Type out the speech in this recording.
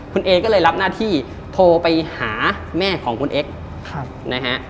คุณเอก็เลยรับหน้าที่โทรไปหาแม่ของคุณเอ็กซ์นะฮะ